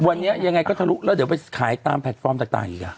วันนี้ยังไงก็ทะลุแล้วเดี๋ยวไปขายตามแพลตฟอร์มต่างอีก